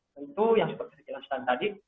tentu yang seperti dijelaskan tadi